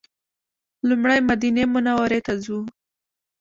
لومړی مدینې منورې ته ځو.